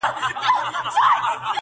لا کومول ته په غوسه په خروښېدو سو!.